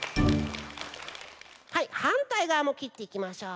はいはんたいがわもきっていきましょう。